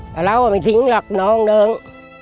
แต่เราก็ไม่ทิ้งหรอกน้องนึง